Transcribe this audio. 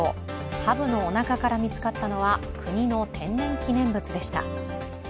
ハブのおなかから見つかったのは、国の天然記念物でした。